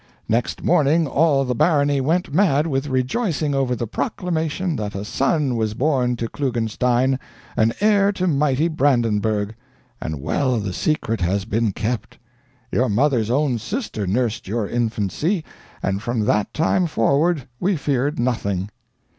Next morning all the barony went mad with rejoicing over the proclamation that a son was born to Klugenstein an heir to mighty Brandenburgh! And well the secret has been kept. Your mother's own sister nursed your infancy, and from that time forward we feared nothing.